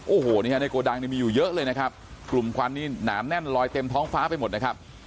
โอ้โหนี่ฮะในโกดังนี่มีอยู่เยอะเลยนะครับกลุ่มควันนี่หนาแน่นลอยเต็มท้องฟ้าไปหมดนะครับ